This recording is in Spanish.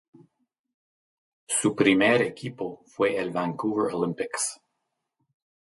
Su primer equipo fue el Vancouver Olympics.